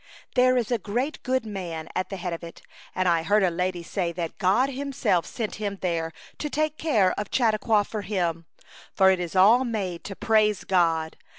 "There is a great good man at the head of it, and I heard a lady say that God Himself sent him there to take care of Chautauqua for Him, for it is all made to praise God.